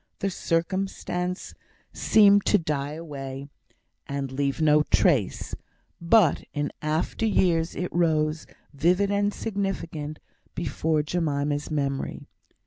The circumstance seemed to die away, and leave no trace; but in after years it rose, vivid and significant, before Jemima's memory.